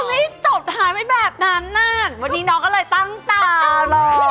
แล้วกะมิผิดจบท้ายไม่แบบนั้นนี่น๊อกก็เลยตั้งต่าง